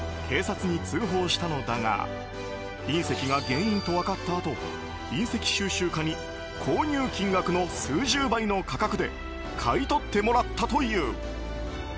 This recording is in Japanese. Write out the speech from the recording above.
警察に通報したのだが隕石が原因と分かったあと隕石収集家に購入金額の数十倍の価格で買い取ってもらったという。